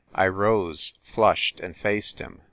I rose, flushed, and faced him.